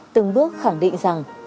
từng bước khẳng định rằng